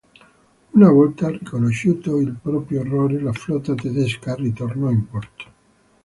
Una volta riconosciuto il proprio errore la flotta tedesca ritornò in porto.